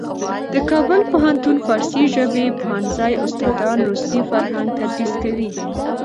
د کابل پوهنتون فارسي ژبې پوهنځي استادان روسي فرهنګ تدریس کوي.